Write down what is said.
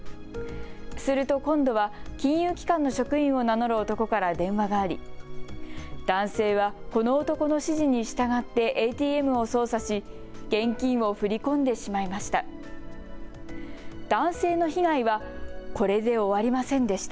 すると今度は金融機関の職員を名乗る男から電話があり男性はこの男の指示に従ってＡＴＭを操作し現金を振り込んでしまいました。